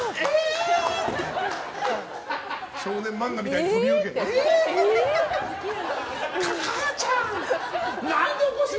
少年漫画みたいに飛び起きて。